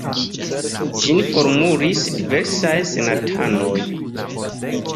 Ĝin formulis diversaj senatanoj.